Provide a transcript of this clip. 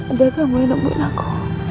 ada kamu yang nungguin aku